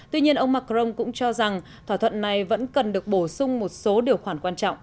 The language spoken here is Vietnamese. tuy nhiên ông macron cũng cho rằng thỏa thuận này vẫn cần được bổ sung một số điều khoản quan trọng